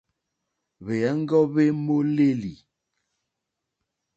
Hwèɔ́ŋɡɔ́ hwé !mólélí.